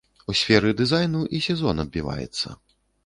У сферы дызайну і сезон адбіваецца.